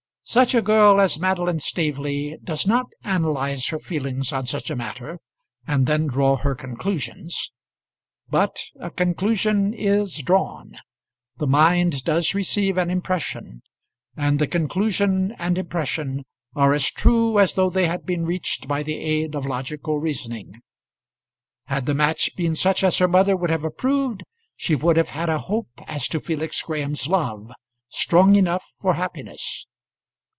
Such a girl as Madeline Staveley does not analyze her feelings on such a matter, and then draw her conclusions. But a conclusion is drawn; the mind does receive an impression; and the conclusion and impression are as true as though they had been reached by the aid of logical reasoning. Had the match been such as her mother would have approved, she would have had a hope as to Felix Graham's love strong enough for happiness.